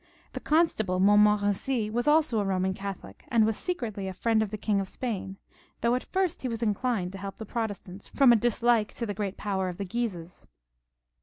The constable Montmorency was also a Boman Catholic, and was secretly a Mend of the King of Spain, though at first he was inclined to help the Protestants firom a dislike to the great power of the Guises.